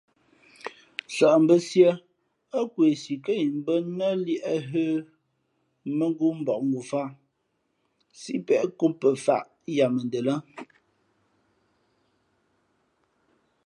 Sαʼmbᾱsiē ά kwesi kά imbᾱ nά liēʼ hə̌, mᾱŋū mbakngofāt sípeʼ kom pαfāʼ yamende lά.